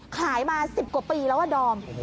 ขายมา๑๐กว่าปีแล้วอะดอม